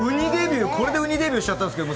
これで娘がうにデビューしちゃったんですよ。